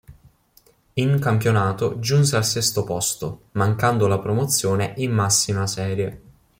In campionato giunse al sesto posto, mancando la promozione in massima serie.